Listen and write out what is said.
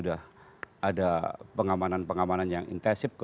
ada pengamanan pengamanan yang intensif